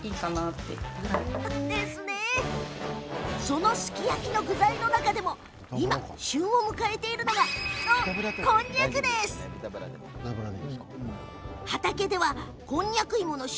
そのすき焼きの具材の中でも今、旬を迎えているのがそう、こちらのこんにゃくです！